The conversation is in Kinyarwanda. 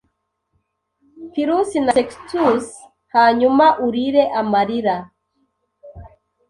Pirusi na Sextus hanyuma urire amarira